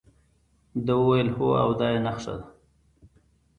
ده وویل هو او دا یې نخښه ده.